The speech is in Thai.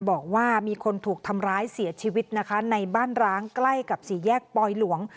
บอกว่ามีคนถูกทำร้ายเสียชีวิตนะคะในบ้านร้างใกล้กับสี่แยกปลอยหลวง